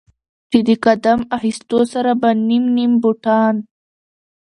چې د قدم اخيستو سره به نيم نيم بوټان